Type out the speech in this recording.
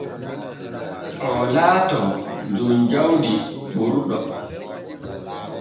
O laatoo jom jawdi ɓurɗo.